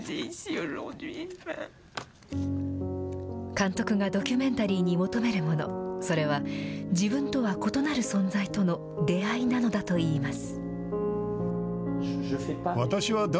監督がドキュメンタリーに求めるもの、それは、自分とは異なる存在との出会いなのだといいます。